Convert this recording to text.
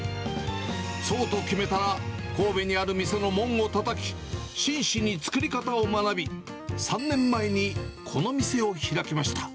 そうと決めたら、神戸にある店の門をたたき、真摯に作り方を学び、３年前にこの店を開きました。